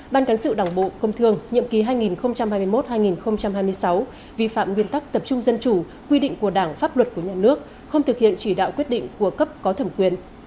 ban cảnh sự đảng bộ công thương nhiệm kỳ hai nghìn hai mươi một hai nghìn hai mươi sáu vi phạm nguyên tắc tập trung dân chủ quy định của đảng pháp luật của nhà nước không thực hiện chỉ đạo quyết định của cấp có thẩm quyền